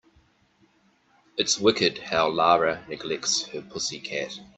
It's wicked how Lara neglects her pussy cat.